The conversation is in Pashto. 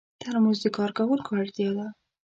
ترموز د کارکوونکو اړتیا ده.